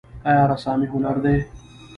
آیا رسامي هنر دی؟